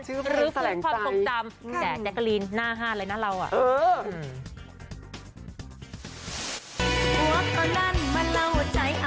ชื่อผลิตแสลงใจ